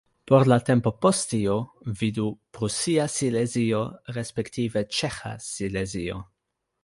Por la tempo post tio, vidu: Prusia Silezio respektive Ĉeĥa Silezio.